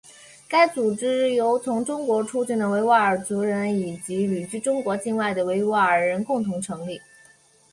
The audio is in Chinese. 该组织由从中国出境的维吾尔族人以及旅居中国境外的维吾尔人共同成立。